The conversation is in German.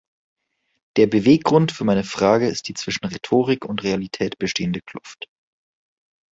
Der Beweggrund für meine Frage ist die zwischen Rhetorik und Realität bestehende Kluft.